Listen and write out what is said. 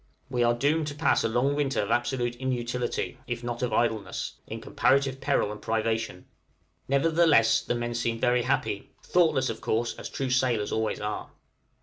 We are doomed to pass a long winter of absolute inutility, if not of idleness, in comparative peril and privation; nevertheless the men seem very happy thoughtless, of course, as true sailors always are.